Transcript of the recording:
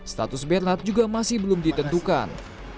status bernard juga masih belum ditentukan